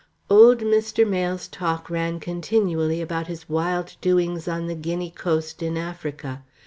Old Mr. Mayle's talk ran continually about his wild doings on the Guinea coast, in Africa.